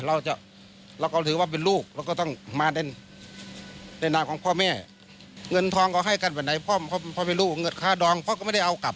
เราจะเราก็ถือว่าเป็นลูกเราก็ต้องมาในในหน้าของพ่อแม่เงินทองเขาให้กันแบบไหนพ่อพ่อพ่อเป็นลูกเงินค่าดองพ่อก็ไม่ได้เอากลับ